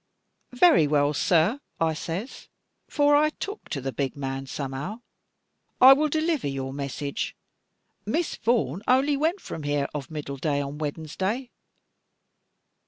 'Very well, sir,' I says, for I took to the big man somehow, 'I will deliver your message. Miss Vaughan only went from here of middle day on Wednesday.